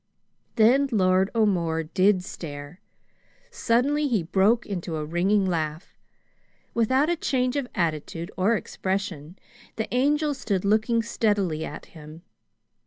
Then Lord O'More did stare. Suddenly he broke into a ringing laugh. Without a change of attitude or expression, the Angel stood looking steadily at him.